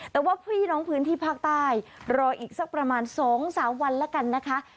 แต่ว่าพี่น้องพื้นที่ภาคใต้รออีกสักประมาณ๒๓วันแล้วกันนะคะ